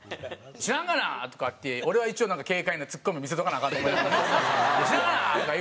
「知らんがな！」とかって俺は一応軽快なツッコミ見せとかなアカンと思いながら「知らんがな！」とか言うててん。